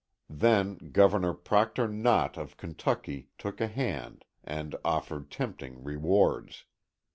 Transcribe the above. Then Governor Proctor Knott of Kentucky took a hand and offered tempting rewards.